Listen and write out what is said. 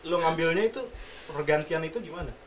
lu ngambilnya itu pergantian itu gimana